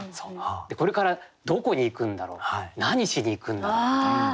これからどこに行くんだろう何しに行くんだろうみたいな。